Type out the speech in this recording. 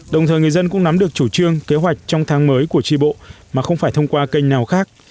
đồng thời người dân cũng nắm được chủ trương kế hoạch trong tháng mới của tri bộ mà không phải thông qua kênh nào khác